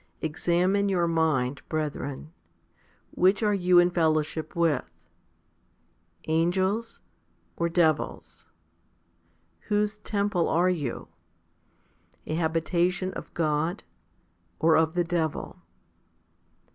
Examine your mind, brethren; which are you in fellowship with? angels, or devils ? Whose temple are you ? a habitation of God, or of the devil